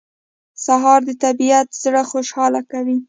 سهار د طبیعت زړه خوشاله کوي.